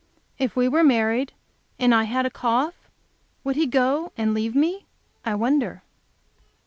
If we were married, and I had a cough, would he go and leave me, I wonder?